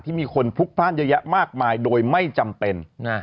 มีคนพลุกพลาดเยอะแยะมากมายโดยไม่จำเป็น